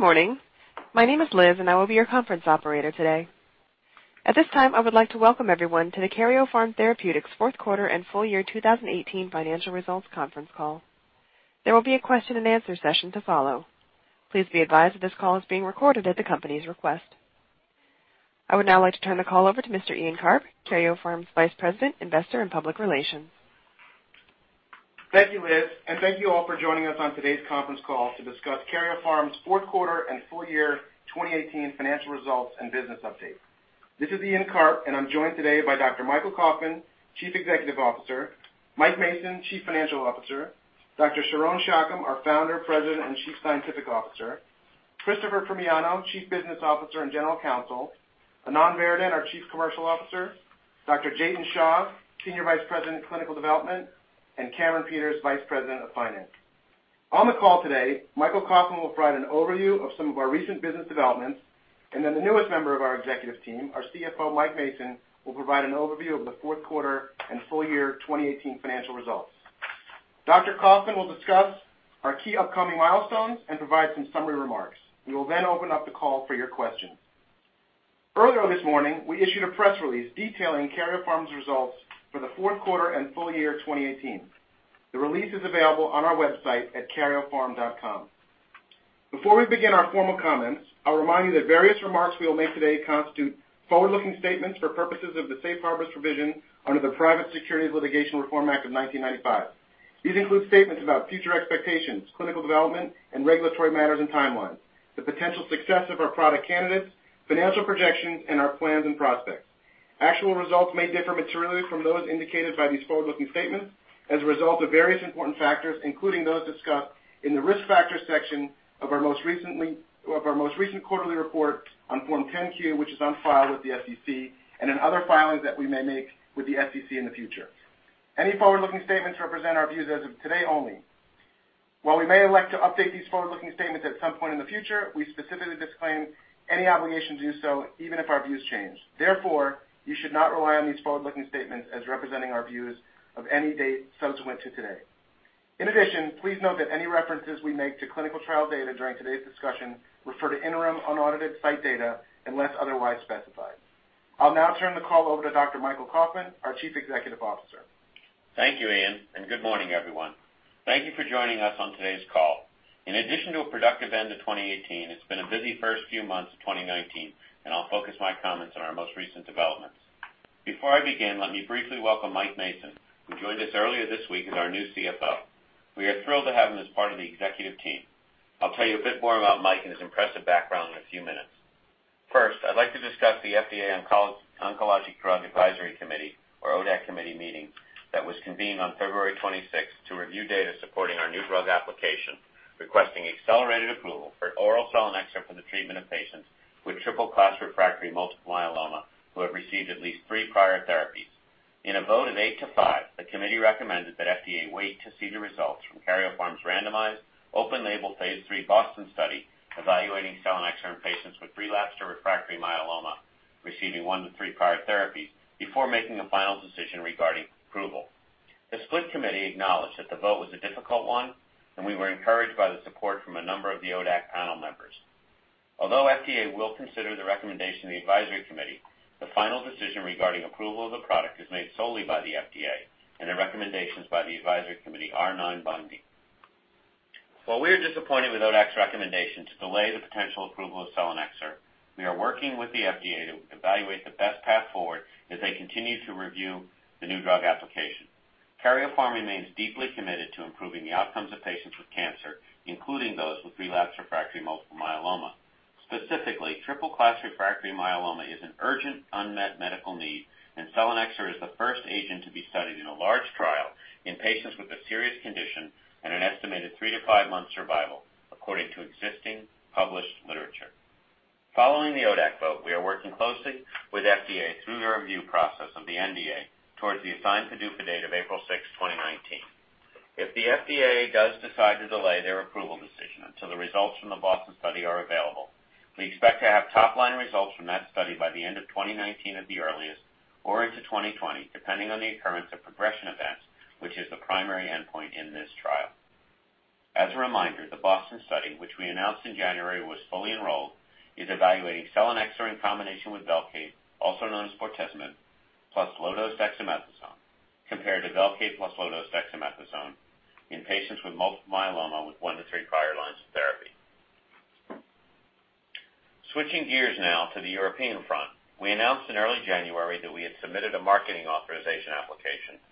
Good morning. My name is Liz, and I will be your conference operator today. At this time, I would like to welcome everyone to the Karyopharm Therapeutics fourth quarter and full year 2018 financial results conference call. There will be a question and answer session to follow. Please be advised that this call is being recorded at the company's request. I would now like to turn the call over to Mr. Ian Karp, Karyopharm's Vice President, Investor and Public Relations. Thank you, Liz, and thank you all for joining us on today's conference call to discuss Karyopharm's fourth quarter and full year 2018 financial results and business update. This is Ian Karp, and I'm joined today by Dr. Michael Kauffman, Chief Executive Officer, Mike Mason, Chief Financial Officer, Dr. Sharon Shacham, our Founder, President and Chief Scientific Officer, Christopher Primiano, Chief Business Officer and General Counsel, Anand Varadan, our Chief Commercial Officer, Dr. Jatin Shah, Senior Vice President of Clinical Development, and Cameron Peters, Vice President of Finance. On the call today, Michael Kauffman will provide an overview of some of our recent business developments, and then the newest member of our executive team, our CFO, Mike Mason, will provide an overview of the fourth quarter and full year 2018 financial results. Dr. Kauffman will discuss our key upcoming milestones and provide some summary remarks. We will open up the call for your questions. Earlier this morning, we issued a press release detailing Karyopharm's results for the fourth quarter and full year 2018. The release is available on our website at karyopharm.com. Before we begin our formal comments, I'll remind you that various remarks we will make today constitute forward-looking statements for purposes of the safe harbors provision under the Private Securities Litigation Reform Act of 1995. These include statements about future expectations, clinical development, and regulatory matters and timelines, the potential success of our product candidates, financial projections, and our plans and prospects. Actual results may differ materially from those indicated by these forward-looking statements as a result of various important factors, including those discussed in the Risk Factors section of our most recent quarterly report on Form 10-Q, which is on file with the SEC, and in other filings that we may make with the SEC in the future. Any forward-looking statements represent our views as of today only. While we may elect to update these forward-looking statements at some point in the future, we specifically disclaim any obligation to do so, even if our views change. Therefore, you should not rely on these forward-looking statements as representing our views of any date subsequent to today. In addition, please note that any references we make to clinical trial data during today's discussion refer to interim unaudited site data unless otherwise specified. I'll now turn the call over to Dr. Michael Kauffman, our Chief Executive Officer. Thank you, Ian, and good morning, everyone. Thank you for joining us on today's call. In addition to a productive end to 2018, it's been a busy first few months of 2019. I'll focus my comments on our most recent developments. Before I begin, let me briefly welcome Mike Mason, who joined us earlier this week as our new CFO. We are thrilled to have him as part of the executive team. I'll tell you a bit more about Mike and his impressive background in a few minutes. First, I'd like to discuss the FDA Oncologic Drug Advisory Committee, or ODAC committee meeting that was convened on February 26th to review data supporting our new drug application, requesting accelerated approval for oral selinexor for the treatment of patients with triple-class refractory multiple myeloma who have received at least three prior therapies. In a vote of eight to five, the committee recommended that FDA wait to see the results from Karyopharm's randomized, open-label phase III BOSTON study evaluating selinexor in patients with relapsed or refractory myeloma receiving one to three prior therapies before making a final decision regarding approval. The split committee acknowledged that the vote was a difficult one, and we were encouraged by the support from a number of the ODAC panel members. Although FDA will consider the recommendation of the advisory committee, the final decision regarding approval of the product is made solely by the FDA, and the recommendations by the advisory committee are non-binding. While we are disappointed with ODAC's recommendation to delay the potential approval of selinexor, we are working with the FDA to evaluate the best path forward as they continue to review the new drug application. Karyopharm remains deeply committed to improving the outcomes of patients with cancer, including those with relapsed refractory multiple myeloma. Specifically, triple-class refractory myeloma is an urgent unmet medical need. Selinexor is the first agent to be studied in a large trial in patients with a serious condition and an estimated three to five-month survival, according to existing published literature. Following the ODAC vote, we are working closely with FDA through the review process of the NDA towards the assigned PDUFA date of April 6th, 2019. If the FDA does decide to delay their approval decision until the results from the BOSTON study are available, we expect to have top-line results from that study by the end of 2019 at the earliest, or into 2020, depending on the occurrence of progression events, which is the primary endpoint in this trial. As a reminder, the BOSTON study, which we announced in January, was fully enrolled, is evaluating selinexor in combination with Velcade, also known as bortezomib, plus low-dose dexamethasone, compared to Velcade plus low-dose dexamethasone in patients with multiple myeloma with one to three prior lines of therapy. Switching gears now to the European front. We announced in early January that we had submitted a Marketing Authorization Application,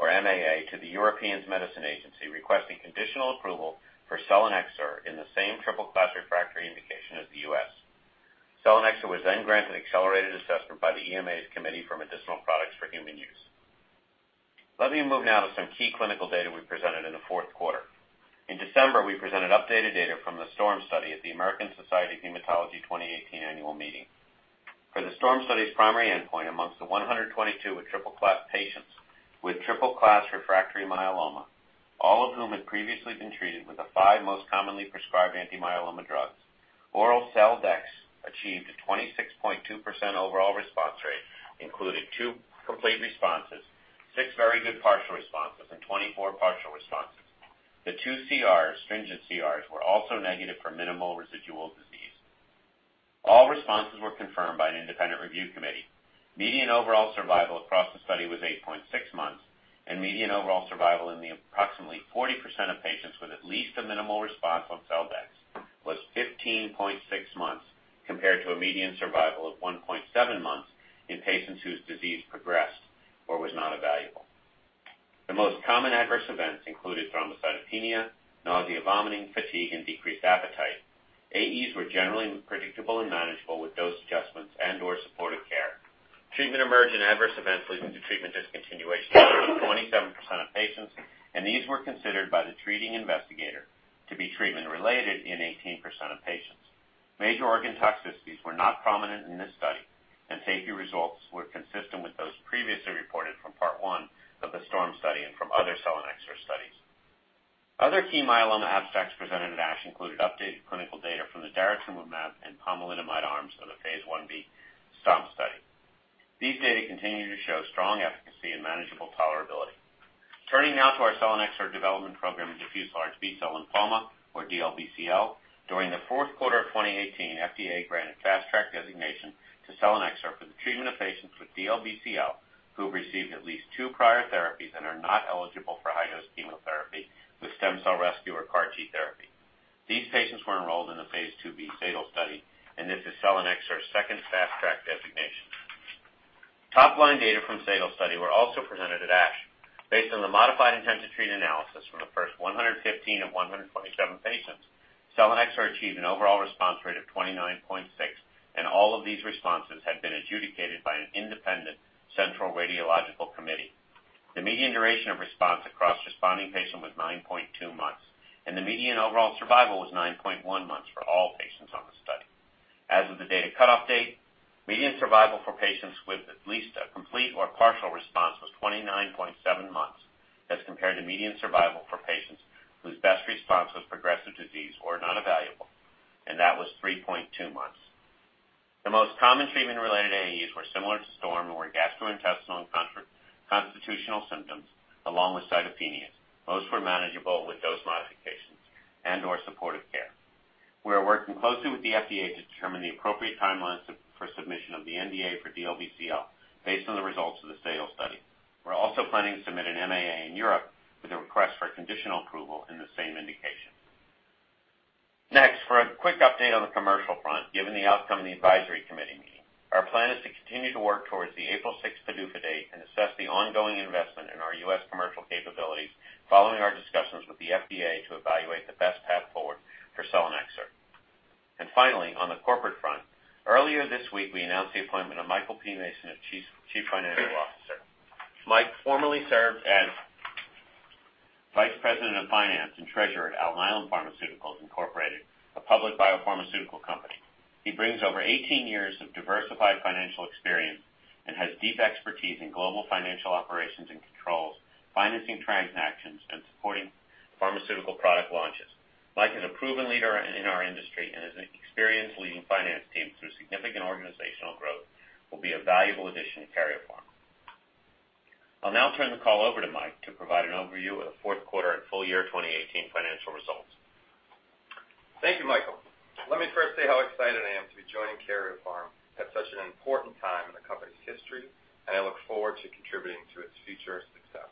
or MAA, to the European Medicines Agency requesting conditional approval for selinexor in the same triple-class refractory indication as the U.S. Selinexor was granted accelerated assessment by the EMA's Committee for Medicinal Products for Human Use. Let me move now to some key clinical data we presented in the fourth quarter. In December, we presented updated data from the STORM study at the American Society of Hematology 2018 annual meeting. For the STORM study's primary endpoint amongst the 122 patients with triple-class refractory myeloma, all of whom had previously been treated with the five most commonly prescribed anti-myeloma drugs, oral sel-dex achieved a 26.2% overall response rate, including two Complete Responses, six very good partial responses, and 24 partial responses. The two CRs, stringent CRs, were also negative for minimal residual disease. All responses were confirmed by an independent review committee. Median overall survival across the study was 8.6 months, and median overall survival in the approximately 40% of patients with at least a minimal response on sel-dex was 15.6 months, compared to a median survival of 1.7 months in patients whose disease progressed or was not evaluable. The most common adverse events included thrombocytopenia, nausea, vomiting, fatigue, and decreased appetite. AEs were generally predictable and manageable with dose adjustments and/or supportive care. Treatment emergent adverse events leading to treatment discontinuation in 27% of patients. These were considered by the treating investigator to be treatment related in 18% of patients. Major organ toxicities were not prominent in this study, and safety results were consistent with those previously reported from part one of the STORM study and from other selinexor studies. Other key myeloma abstracts presented at ASH included updated clinical data from the daratumumab and pomalidomide arms of the phase I-B STORM study. These data continue to show strong efficacy and manageable tolerability. Turning now to our selinexor development program in diffuse large B-cell lymphoma, or DLBCL. During the fourth quarter of 2018, FDA granted fast track designation to selinexor for the treatment of patients with DLBCL who've received at least two prior therapies and are not eligible for high-dose chemotherapy with stem cell rescue or CAR-T therapy. These patients were enrolled in the phase II-B SADAL study. This is selinexor's second fast track designation. Top-line data from SADAL study were also presented at ASH. Based on the modified intent to treat analysis from the first 115 of 127 patients, selinexor achieved an overall response rate of 29.6%, and all of these responses had been adjudicated by an independent central radiological committee. The median duration of response across responding patient was 9.2 months, and the median overall survival was 9.1 months for all patients on the study. As of the data cutoff date, median survival for patients with at least a complete or partial response was 29.7 months, as compared to median survival for patients whose best response was progressive disease or not evaluable. That was 3.2 months. The most common treatment-related AEs were similar to STORM and were gastrointestinal and constitutional symptoms, along with cytopenias. Most were manageable with dose modifications and/or supportive care. We are working closely with the FDA to determine the appropriate timelines for submission of the NDA for DLBCL based on the results of the SADAL study. We are also planning to submit an MAA in Europe with a request for conditional approval in the same indication. Next, for a quick update on the commercial front, given the outcome of the advisory committee meeting. Our plan is to continue to work towards the April sixth PDUFA date and assess the ongoing investment in our U.S. commercial capabilities following our discussions with the FDA to evaluate the best path forward for Selinexor. Finally, on the corporate front, earlier this week, we announced the appointment of Michael P. Mason as Chief Financial Officer. Mike formerly served as Vice President of Finance and Treasurer at Alnylam Pharmaceuticals, Inc., a public biopharmaceutical company. He brings over 18 years of diversified financial experience and has deep expertise in global financial operations and controls, financing transactions, and supporting pharmaceutical product launches. Mike is a proven leader in our industry and is an experienced leading finance team through significant organizational growth, will be a valuable addition to Karyopharm. I will now turn the call over to Mike to provide an overview of the fourth quarter and full year 2018 financial results. Thank you, Michael. Let me first say how excited I am to be joining Karyopharm at such an important time in the company's history, and I look forward to contributing to its future success.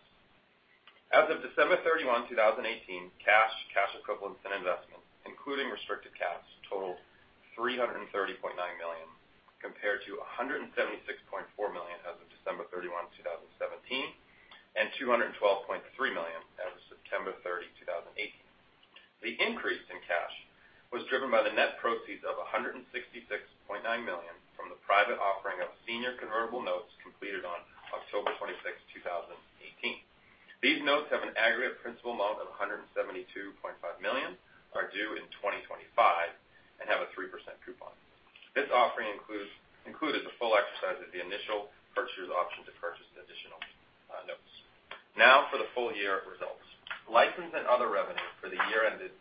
As of December 31, 2018, cash equivalents, and investments, including restricted cash, totaled $330.9 million, compared to $176.4 million as of December 31, 2017, and $212.3 million as of September 30, 2018. The increase in cash was driven by the net proceeds of $166.9 million from the private offering of senior convertible notes completed on October 26, 2018. These notes have an aggregate principal amount of $172.5 million, are due in 2025, and have a 3% coupon. This offering included the full exercise of the initial purchaser's option to purchase additional notes. Now for the full year results. License and other revenue for the year ended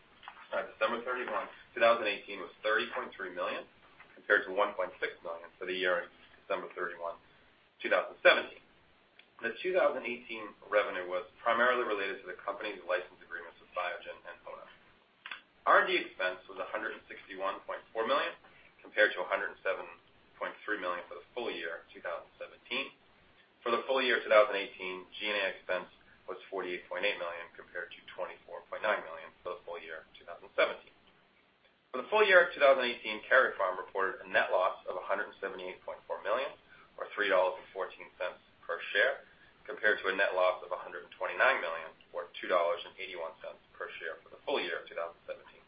December 31, 2018, was $30.3 million, compared to $1.6 million for the year ending December 31, 2017. The 2018 revenue was primarily related to the company's license agreements with Biogen and Ono. R&D expense was $161.4 million, compared to $107.3 million for the full year 2017. For the full year 2018, G&A expense was $48.8 million, compared to $24.9 million for the full year 2017. For the full year of 2018, Karyopharm reported a net loss of $178.4 million or $3.14 per share, compared to a net loss of $129 million or $2.81 per share for the full year of 2017.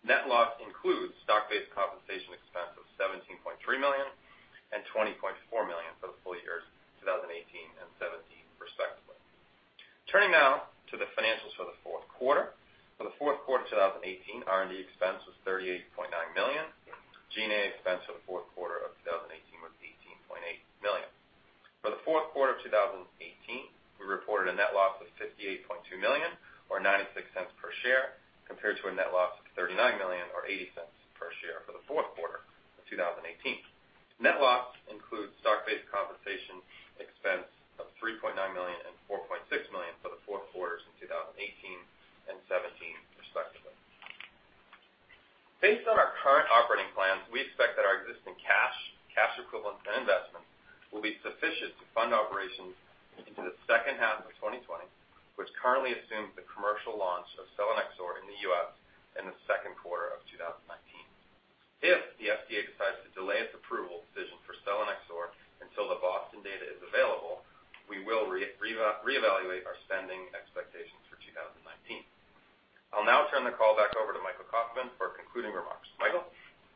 Net loss includes stock-based compensation expense of $17.3 million and $20.4 million for the full years 2018 and 2017, respectively. Turning now to the financials for the fourth quarter. For the fourth quarter 2018, R&D expense was $38.9 million. G&A expense for the fourth quarter of 2018, we reported a net loss of $58.2 million or $0.96 per share, compared to a net loss of $39 million or $0.80 per share for the fourth quarter of 2018. Net loss includes stock-based compensation expense of $3.9 million and $4.6 million for the fourth quarters in 2018 and 2017, respectively. Based on our current operating plans, we expect that our existing cash equivalents, and investments will be sufficient to fund operations into the second half of 2020, which currently assumes the commercial launch of Selinexor in the U.S. in the second quarter of 2019. If the FDA decides to delay its approval decision for Selinexor until the BOSTON data is available, we will reevaluate our spending expectations for 2019. I'll now turn the call back over to Michael Kauffman for concluding remarks. Michael?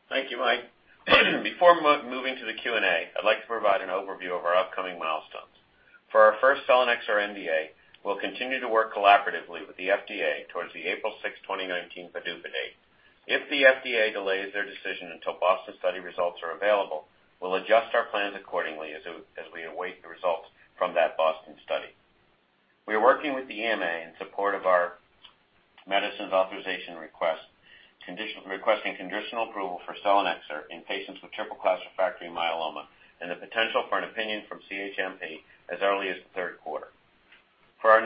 Thank you, Mike. Before moving to the Q&A, I'd like to provide an overview of our upcoming milestones. For our first Selinexor NDA, we'll continue to work collaboratively with the FDA towards the April 6th, 2019 PDUFA date. If the FDA delays their decision until BOSTON study results are available, we'll adjust our plans accordingly as we await the results from that BOSTON study. We are working with the EMA in support of our medicines authorization request, requesting conditional approval for Selinexor in patients with triple-class refractory myeloma and the potential for an opinion from CHMP as early as the third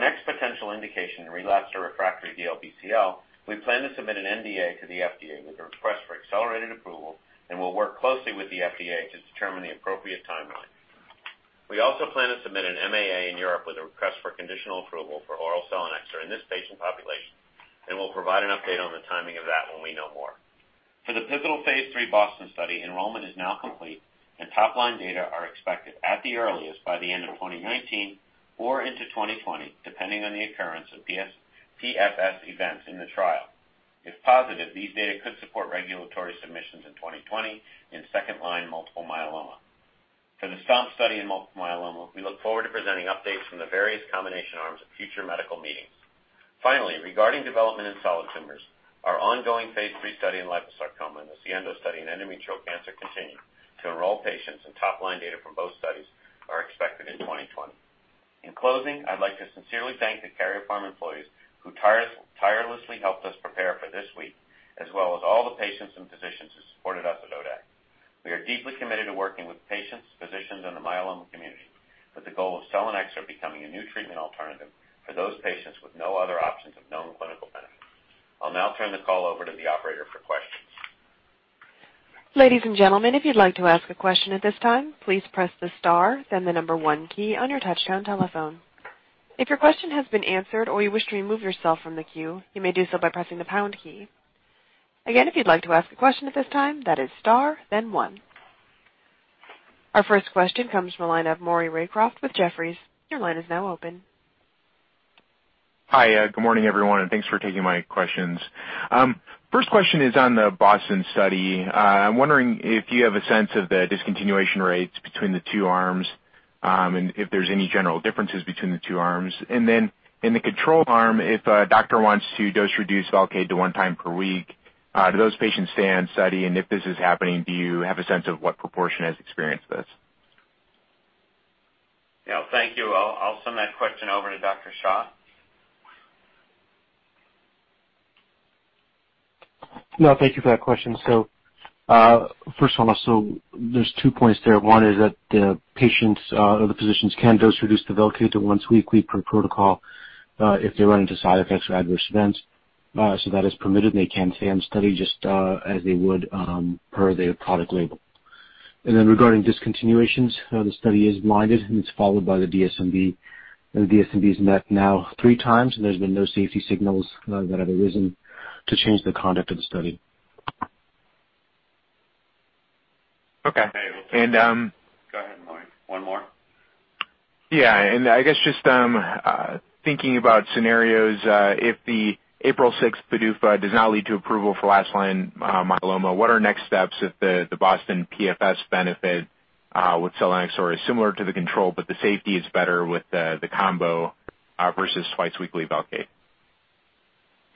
quarter. For our next potential indication, relapsed or refractory DLBCL, we plan to submit an NDA to the FDA with a request for accelerated approval and will work closely with the FDA to determine the appropriate timeline. We also plan to submit an MAA in Europe with a request for conditional approval for oral Selinexor in this patient population, and we'll provide an update on the timing of that when we know more. For the pivotal phase III BOSTON study, enrollment is now complete and top-line data are expected at the earliest by the end of 2019 or into 2020, depending on the occurrence of PFS events in the trial. If positive, these data could support regulatory submissions in 2020 in second-line multiple myeloma. For the STOMP study in multiple myeloma, we look forward to presenting updates from the various combination arms at future medical meetings. Finally, regarding development in solid tumors, our ongoing phase III study in liposarcoma and the SIENDO study in endometrial cancer continue to enroll patients and top-line data from both studies are expected in 2020. In closing, I'd like to sincerely thank the Karyopharm employees who tirelessly helped us prepare for this week, as well as all the patients and physicians who supported us at ODAC. We are deeply committed to working with patients, physicians, and the myeloma community, with the goal of Selinexor becoming a new treatment alternative for those patients with no other options of known clinical benefit. I'll now turn the call over to the operator for questions. Ladies and gentlemen, if you'd like to ask a question at this time, please press the star, then the number one key on your touchtone telephone. If your question has been answered or you wish to remove yourself from the queue, you may do so by pressing the pound key. Again, if you'd like to ask a question at this time, that is star, then one. Our first question comes from the line of Maurice Raycroft with Jefferies. Your line is now open. Hi. Good morning, everyone, and thanks for taking my questions. First question is on the BOSTON study. I'm wondering if you have a sense of the discontinuation rates between the two arms, and if there's any general differences between the two arms. Then in the control arm, if a doctor wants to dose-reduce Velcade to one time per week, do those patients stay on study? And if this is happening, do you have a sense of what proportion has experienced this? Thank you. I'll send that question over to Dr. Shah. Thank you for that question. First of all, there's two points there. One is that the physicians can dose-reduce the Velcade to once weekly per protocol, if they run into side effects or adverse events. That is permitted, and they can stay on the study just as they would per their product label. Then regarding discontinuations, the study is blinded, and it's followed by the DSMB. The DSMB has met now three times, and there's been no safety signals that have arisen to change the conduct of the study. Okay. Go ahead, Maurice. One more. Yeah. I guess just thinking about scenarios, if the April 6th PDUFA does not lead to approval for last line myeloma, what are next steps if the BOSTON PFS benefit with selinexor is similar to the control, but the safety is better with the combo versus twice-weekly Velcade?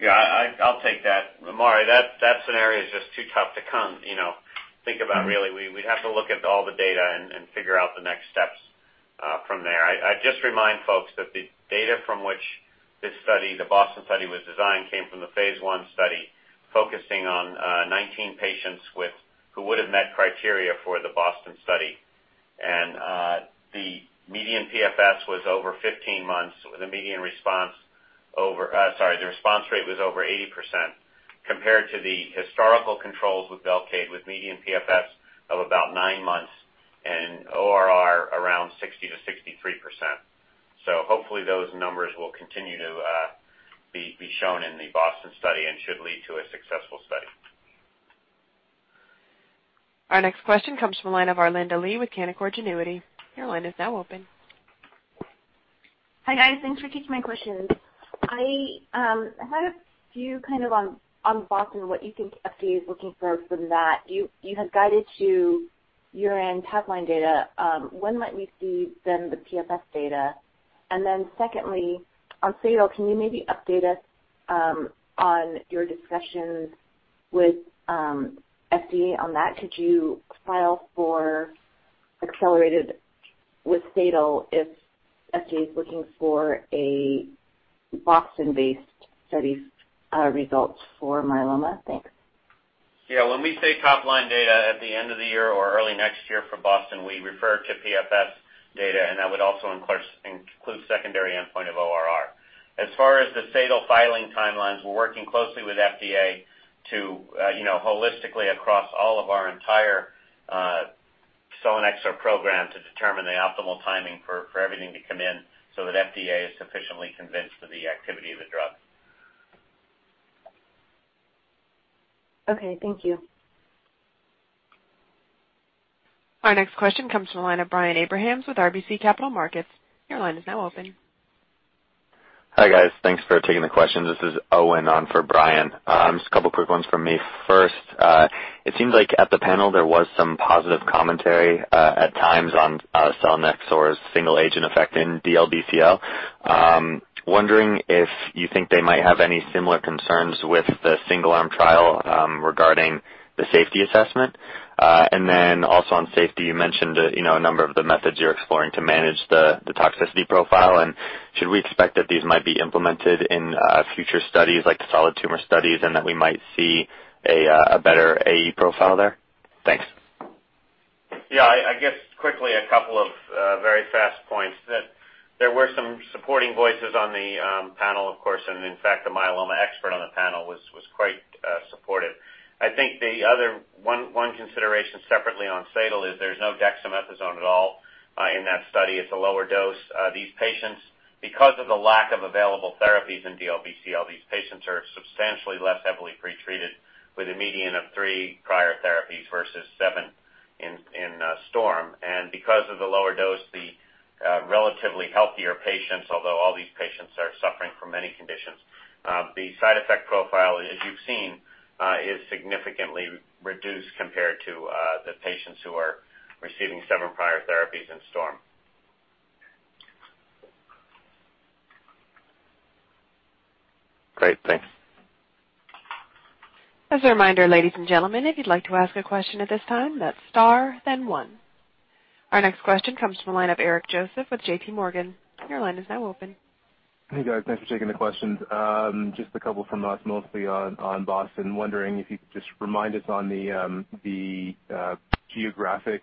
Yeah, I'll take that. Maury, that scenario is just too tough to think about really. We'd have to look at all the data and figure out the next steps from there. I'd just remind folks that the data from which this study, the BOSTON study, was designed came from the phase I study, focusing on 19 patients who would've met criteria for the BOSTON study. The median PFS was over 15 months, with a median response over Sorry, the response rate was over 80%, compared to the historical controls with Velcade, with median PFS of about nine months and ORR around 60%-63%. Hopefully those numbers will continue to be shown in the BOSTON study and should lead to a successful study. Our next question comes from the line of Arlinda Lee with Canaccord Genuity. Your line is now open. Hi, guys. Thanks for taking my questions. I had a few on BOSTON, what you think FDA is looking for from that. You had guided to year-end top-line data. When might we see the PFS data? Secondly, on SADAL, can you maybe update us on your discussions with FDA on that, could you file for accelerated with SADAL if FDA is looking for a BOSTON-based study results for myeloma? Thanks. Yeah. When we say top-line data at the end of the year or early next year for BOSTON, we refer to PFS data, and that would also include secondary endpoint of ORR. As far as the SADAL filing timelines, we're working closely with FDA to holistically, across all of our entire selinexor program, to determine the optimal timing for everything to come in so that FDA is sufficiently convinced of the activity of the drug. Okay, thank you. Our next question comes from the line of Brian Abrahams with RBC Capital Markets. Your line is now open. Hi, guys. Thanks for taking the questions. This is Owen on for Brian. Just a couple quick ones from me. First, it seems like at the panel there was some positive commentary, at times, on selinexor's single agent effect in DLBCL. Wondering if you think they might have any similar concerns with the single-arm trial regarding the safety assessment. Then also on safety, you mentioned a number of the methods you're exploring to manage the toxicity profile, and should we expect that these might be implemented in future studies, like the solid tumor studies, and that we might see a better AE profile there? Thanks. Yeah, I guess quickly, a couple of very fast points. There were some supporting voices on the panel, of course, and in fact, the myeloma expert on the panel was quite supportive. I think the other one consideration separately on SADAL is there's no dexamethasone at all in that study. It's a lower dose. These patients, because of the lack of available therapies in DLBCL, these patients are substantially less heavily pretreated with a median of three prior therapies versus seven in STORM. Because of the lower dose, the relatively healthier patients, although all these patients are suffering from many conditions, the side effect profile, as you've seen, is significantly reduced compared to the patients who are receiving seven prior therapies in STORM. Great. Thanks. As a reminder, ladies and gentlemen, if you'd like to ask a question at this time, that's star then one. Our next question comes from the line of Eric Joseph with JPMorgan. Your line is now open. Hey, guys. Thanks for taking the questions. Just a couple from us, mostly on BOSTON. Wondering if you could just remind us on the geographic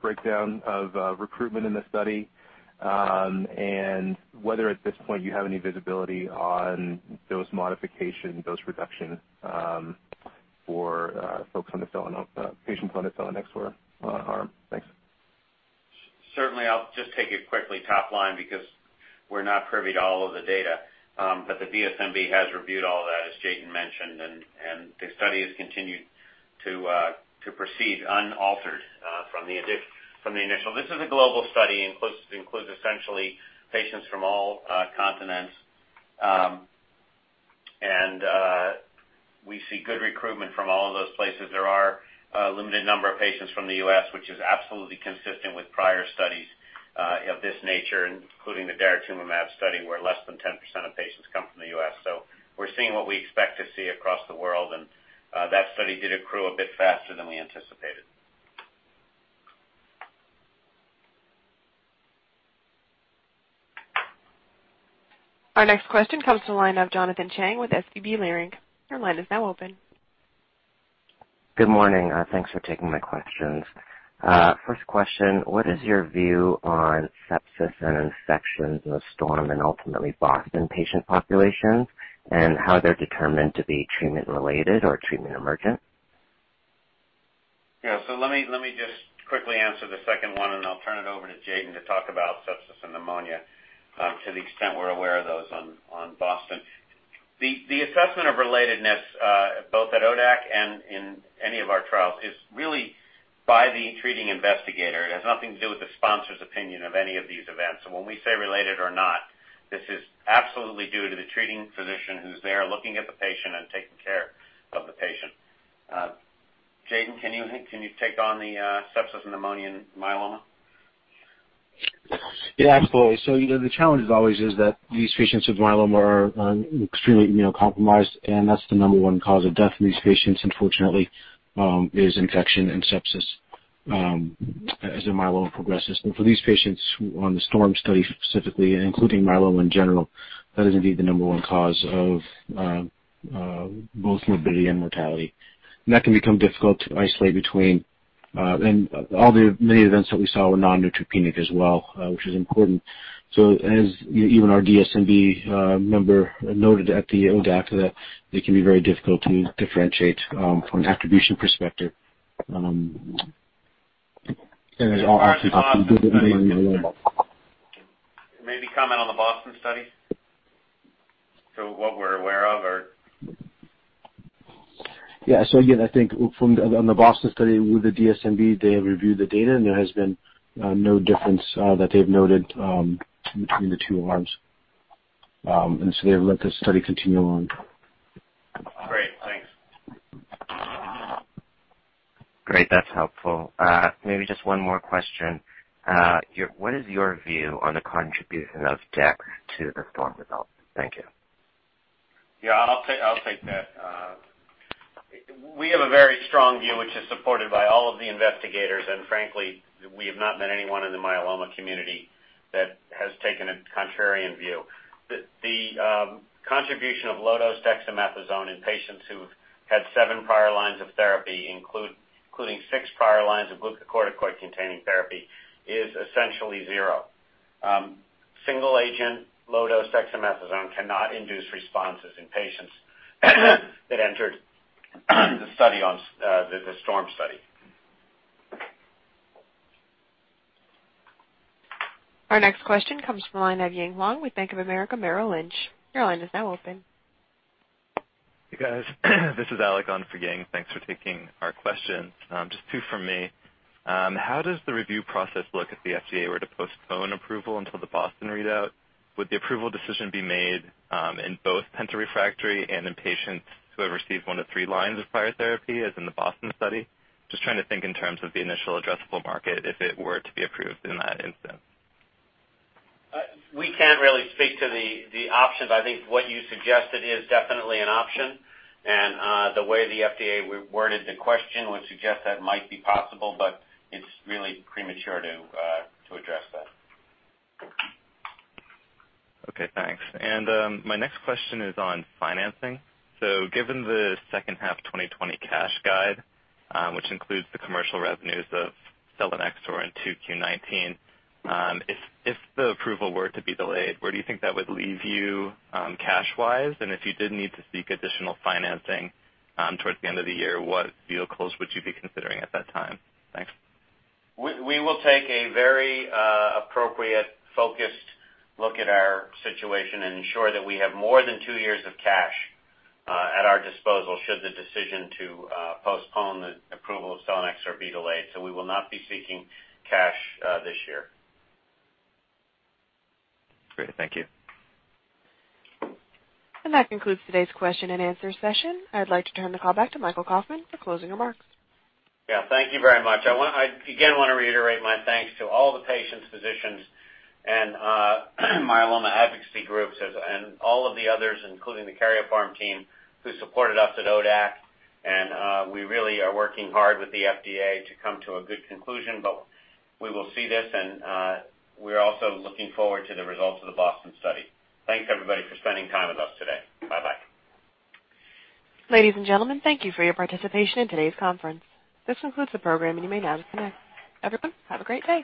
breakdown of recruitment in the study and whether at this point you have any visibility on dose modification, dose reduction for patients on the selinexor arm. Thanks. Certainly, I'll just take it quickly top line because we're not privy to all of the data. The DSMB has reviewed all of that, as Jatin mentioned, and the study has continued to proceed unaltered from the initial. This is a global study, includes essentially patients from all continents. We see good recruitment from all of those places. There are a limited number of patients from the U.S., which is absolutely consistent with prior studies of this nature, including the daratumumab study, where less than 10% of patients come from the U.S. We're seeing what we expect to see across the world, and that study did accrue a bit faster than we anticipated. Our next question comes to the line of Jonathan Chang with SVB Leerink. Your line is now open. Good morning. Thanks for taking my questions. First question, what is your view on sepsis and infections in the STORM and ultimately BOSTON patient populations, and how they are determined to be treatment related or treatment emergent? Yeah. Let me just quickly answer the second one, and then I will turn it over to Jatin to talk about sepsis and pneumonia, to the extent we are aware of those on BOSTON. The assessment of relatedness, both at ODAC and in any of our trials, is really by the treating investigator. It has nothing to do with the sponsor's opinion of any of these events. When we say related or not, this is absolutely due to the treating physician who is there looking at the patient and taking care of the patient. Jatin, can you take on the sepsis and pneumonia in myeloma? Yeah, absolutely. The challenge always is that these patients with myeloma are extremely immunocompromised, and that is the number one cause of death in these patients, unfortunately, is infection and sepsis as their myeloma progresses. For these patients on the STORM study specifically, and including myeloma in general, that is indeed the number one cause of both morbidity and mortality. That can become difficult to isolate between, and all the many events that we saw were non-neutropenic as well, which is important. As even our DSMB member noted at the ODAC, that it can be very difficult to differentiate from an attribution perspective. Maybe comment on the BOSTON study? Yeah. Again, I think on the BOSTON study with the DSMB, they have reviewed the data and there has been no difference that they've noted between the two arms. They have let the study continue on. Great. Thanks. Great. That's helpful. Maybe just one more question. What is your view on the contribution of dexamethasone to the STORM development? Thank you. Yeah, I'll take that. We have a very strong view, which is supported by all of the investigators. Frankly, we have not met anyone in the myeloma community that has taken a contrarian view. The contribution of low-dose dexamethasone in patients who've had seven prior lines of therapy, including six prior lines of glucocorticoid-containing therapy, is essentially zero. Single-agent low-dose dexamethasone cannot induce responses in patients that entered the STORM study. Our next question comes from the line of Ying Huang with Bank of America Merrill Lynch. Your line is now open. Hey, guys. This is Alec on for Ying. Thanks for taking our questions. Just two from me. How does the review process look if the FDA were to postpone approval until the BOSTON readout? Would the approval decision be made in both penta-refractory and in patients who have received one to three lines of prior therapy, as in the BOSTON study? Just trying to think in terms of the initial addressable market, if it were to be approved in that instance. We can't really speak to the options. I think what you suggested is definitely an option. The way the FDA worded the question would suggest that might be possible, but it's really premature to address that. Okay, thanks. My next question is on financing. Given the second half 2020 cash guide, which includes the commercial revenues of selinexor in 2Q19, if the approval were to be delayed, where do you think that would leave you cash-wise? And if you did need to seek additional financing towards the end of the year, what vehicles would you be considering at that time? Thanks. We will take a very appropriate, focused look at our situation and ensure that we have more than two years of cash at our disposal should the decision to postpone the approval of selinexor be delayed. We will not be seeking cash this year. Great. Thank you. That concludes today's question and answer session. I'd like to turn the call back to Michael Kauffman for closing remarks. Thank you very much. I, again, want to reiterate my thanks to all the patients, physicians, and myeloma advocacy groups, and all of the others, including the Karyopharm team, who supported us at ODAC. We really are working hard with the FDA to come to a good conclusion, but we will see this, and we're also looking forward to the results of the BOSTON study. Thanks everybody for spending time with us today. Bye-bye. Ladies and gentlemen, thank you for your participation in today's conference. This concludes the program, and you may now disconnect. Everyone, have a great day.